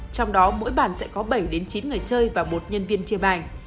trong đó mỗi bàn sẽ có bảy chín người chơi và một nhân viên chia bàn